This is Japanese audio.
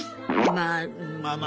まあまあまあ。